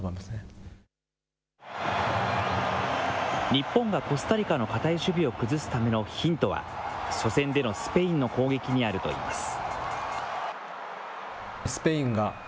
日本がコスタリカの堅い守備を崩すためのヒントは、初戦でのスペインの攻撃にあるといいます。